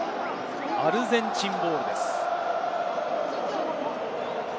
アルゼンチンボールです。